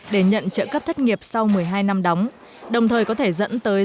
để nhận trợ cấp thất nghiệp sau một mươi hai năm đóng đồng thời có thể dẫn tới